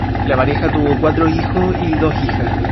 La pareja tuvo cuatro hijos y dos hijas.